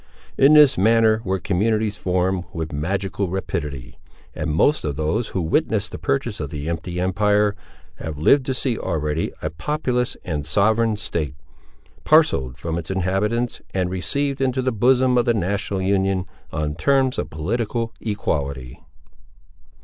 In this manner were communities formed with magical rapidity; and most of those who witnessed the purchase of the empty empire, have lived to see already a populous and sovereign state, parcelled from its inhabitants, and received into the bosom of the national Union, on terms of political equality.